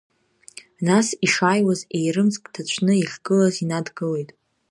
Нас ишааиуаз, еирымӡк ҭацәны иахьгылаз инадгылеит.